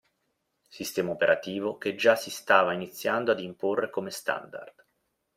Sistema operativo che già si stava iniziando ad imporre come standard.